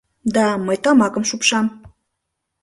— Да, мый тамакым шупшам.